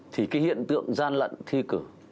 thì cái hiện tượng gian lận thi cử